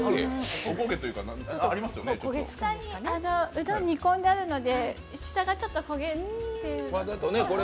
うどん煮込んであるので、下がちょっと焦げている。